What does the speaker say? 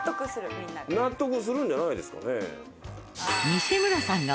みんな。納得するんじゃないですかね。